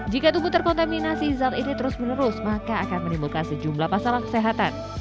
jika tubuh terkontaminasi zat ini terus menerus maka akan menimbulkan sejumlah masalah kesehatan